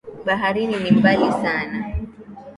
Baharini ni mbali sana.